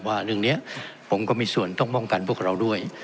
ว่าเรื่องนี้ผมก็มีส่วนต้องป้องกันพวกเราด้วย